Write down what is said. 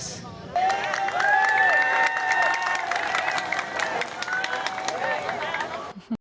selamat ulang tahun